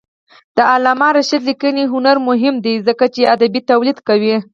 د علامه رشاد لیکنی هنر مهم دی ځکه چې ادبي تولید کوي.